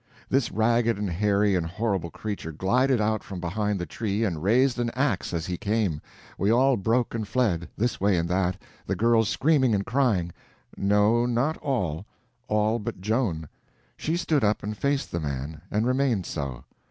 This ragged and hairy and horrible creature glided out from behind the tree, and raised an ax as he came. We all broke and fled, this way and that, the girls screaming and crying. No, not all; all but Joan. She stood up and faced the man, and remained so.